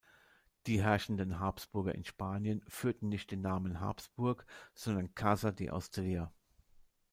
Die herrschenden Habsburger in Spanien führten nicht den Namen Habsburg, sondern Casa de Austria.